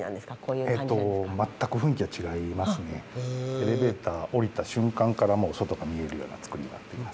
エレベーター降りた瞬間からもう外が見えるようなつくりになっています。